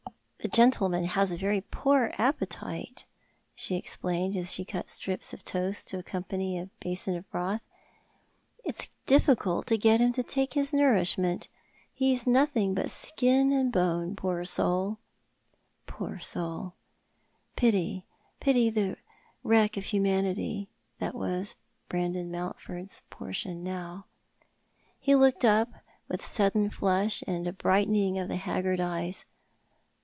" The gentleman has a very poor appetite," she explained, as she cut strips of toast to accompany a basin of broth. " It's dilBcult to get him to take his nourishment. He's nothing but skin and bono, poor soul." Poor soul ! Pity, the pity for a wreck of humanity, — that was Brandon Mountford's portion now. He looked up with a sudden flush, and a brightening of the haggard eyes.